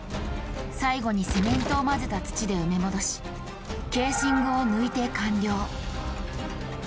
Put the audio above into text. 最後にセメントを混ぜた土で埋め戻しケーシングを抜いて完了。